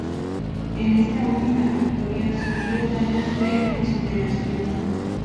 En esta última victoria sufrió daños de consideración.